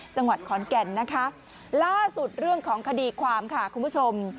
จังหวัดขอนแก่นนะคะล่าสุดเรื่องของคดีความค่ะคุณผู้ชม